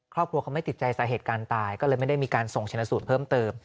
ครอบครัวเขาไม่ติดใจสาเหตุการณ์ตายก็เลยไม่ได้มีการส่งชนะสูตรเพิ่มเติม